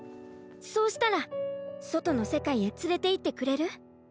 そうしたらそとのせかいへつれていってくれる？